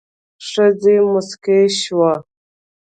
ښځې موسکې شوې.